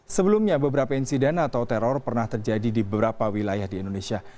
sebelumnya beberapa insiden atau teror pernah terjadi di beberapa wilayah di indonesia